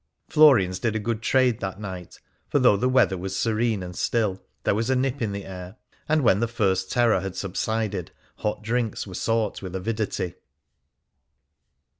Florian's did a good trade that night ; for though the weather was serene and still, there was a nip in the air, and when the first terror had subsided, hot drinks were sought with avidity.